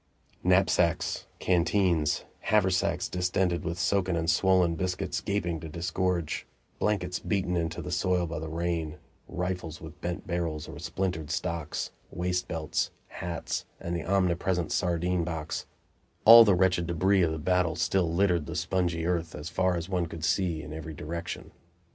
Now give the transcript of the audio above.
Knapsacks, canteens, haversacks distended with soaken and swollen biscuits, gaping to disgorge, blankets beaten into the soil by the rain, rifles with bent barrels or splintered stocks, waist belts, hats and the omnipresent sardine box all the wretched debris of the battle still littered the spongy earth as far as one could see, in every direction.